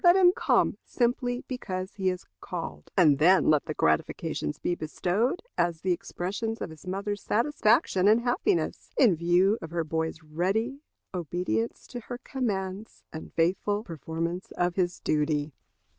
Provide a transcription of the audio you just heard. Let him come simply because he is called; and then let the gratifications be bestowed as the expressions of his mother's satisfaction and happiness, in view of her boy's ready obedience to her commands and faithful performance of his duty.